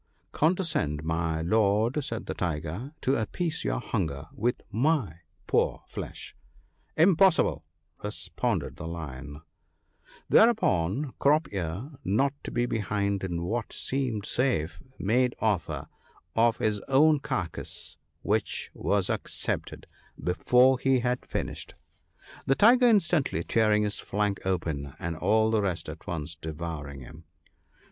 " Condescend, my Lord," said the Tiger, " to appease your hunger with my poor flesh." " Impossible !" responded the Lion. 134 THE BOOK OF GOOD COUNSELS. ' Thereupon Crop ear, not to be behind in what seemed safe, made offer of his own carcase, which was accepted before he had finished ; the Tiger instantly tearing his flank open, and all the rest at once devouring him.